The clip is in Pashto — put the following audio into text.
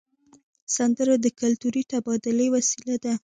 سندره د کلتوري تبادلې وسیله ده